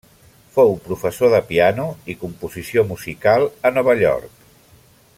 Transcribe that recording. Fou professor de piano i composició musical a Nova York.